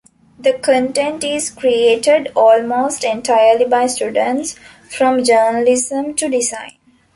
The content is created almost entirely by students, from journalism to design.